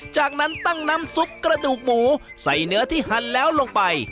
จากนั้นตั้งน้ำซุปกระดูกหมูใส่เนื้อที่หั่นแล้วลงไป